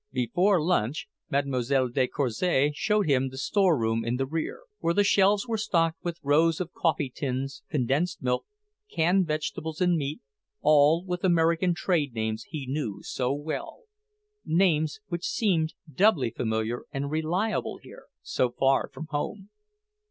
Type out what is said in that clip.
Before lunch Mlle. de Courcy showed him the store room in the rear, where the shelves were stocked with rows of coffee tins, condensed milk, canned vegetables and meat, all with American trade names he knew so well; names which seemed doubly familiar and "reliable" here, so far from home.